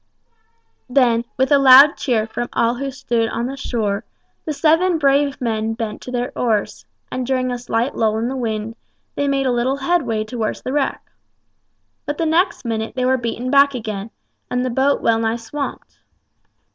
Then, with a loud cheer from all who stood on the shore, the seven brave men bent to their oars, and during a slight lull in the wind, they made a little headway towards the wreck. But the next minute they were beaten back again, and the boat well nigh swamped.